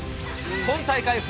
今大会